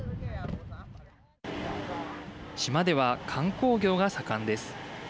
島では観光業が盛んです。